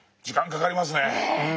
時間かかりますね。